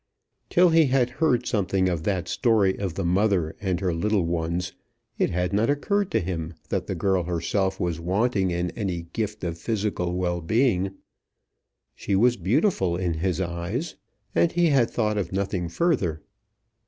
Till he had heard something of that story of the mother and her little ones, it had not occurred to him that the girl herself was wanting in any gift of physical well being. She was beautiful in his eyes, and he had thought of nothing further.